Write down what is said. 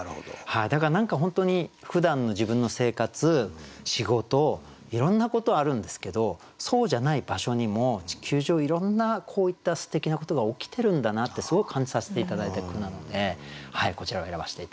だから何か本当にふだんの自分の生活仕事いろんなことあるんですけどそうじゃない場所にも地球上いろんなこういったすてきなことが起きてるんだなってすごい感じさせて頂いた句なのでこちらを選ばせて頂きました。